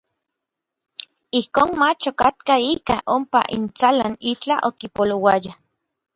Ijkon mach okatkaj ikaj ompa intsalan itlaj okipolouaya.